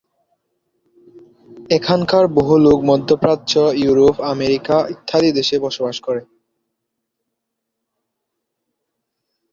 এখানকার বহু লোক মধ্যপ্রাচ্য, ইউরোপ, আমেরিকা ইত্যাদি দেশে বসবাস করে।